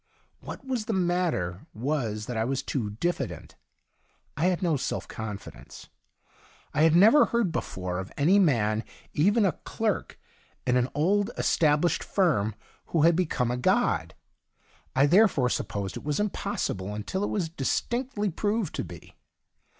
What was the matter was that I was too diffident : I had no self confidence ; I had never heard before of any man, even a clerk in an old established 21 THE DIARY OF A GOD firm, who had become a god. I therefore supposed it was impossible until it was distinctly proved to be.